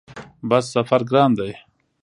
بس سفر ګران دی؟